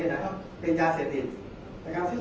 แต่ว่าไม่มีปรากฏว่าถ้าเกิดคนให้ยาที่๓๑